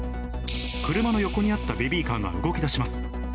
車の横にあったベビーカーが動きだします。